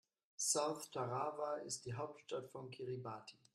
South Tarawa ist die Hauptstadt von Kiribati.